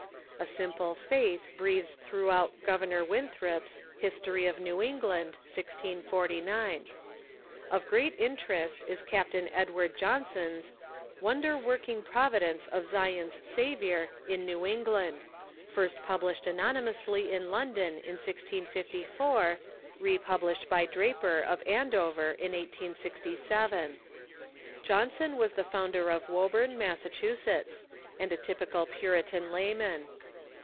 A simple faith breathes throughout Governor Winthrop's " riistor}^ of New England " (1649). Of great interest is Captain Edward John son's "\Yonder working Providence of Zion's Saviour in New England," first published anonymously in London, in 1654, re jDublished by Draper, of Andover, in 1S67. Johnson was the founder of Woburn, Massachusetts, and a tj'pical Puritan lay man.